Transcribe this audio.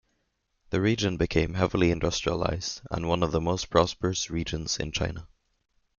The region became heavily industrialized and one of the most prosperous regions in China.